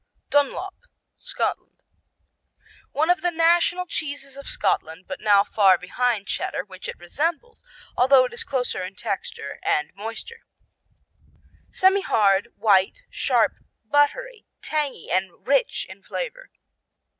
Dunlop Scotland One of the national cheeses of Scotland, but now far behind Cheddar, which it resembles, although it is closer in texture and moister. Semihard; white; sharp; buttery; tangy and rich in flavor.